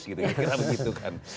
kira begitu kan